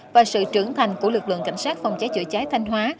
và sự trưởng thành của lực lượng cảnh sát phòng cháy chữa cháy thanh hóa